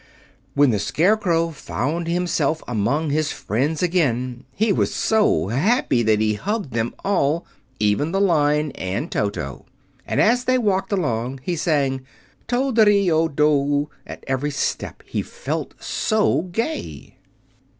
When the Scarecrow found himself among his friends again, he was so happy that he hugged them all, even the Lion and Toto; and as they walked along he sang "Tol de ri de oh!" at every step, he felt so gay.